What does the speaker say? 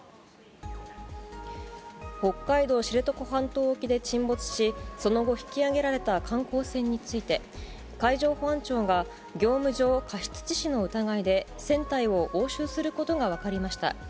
北海道知床半島沖で沈没し、その後、引き揚げられた観光船について、海上保安庁が、業務上過失致死の疑いで、船体を押収することが分かりました。